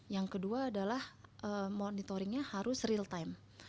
yang kedua adalah monitoringnya harus real time